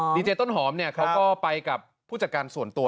ดีเจต้นหอมเนี่ยเขาก็ไปกับผู้จัดการส่วนตัว